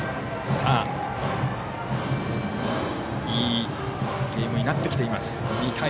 いいゲームになってきています。